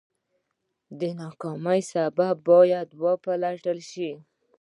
د ناکامۍ سبب باید وپلټل شي.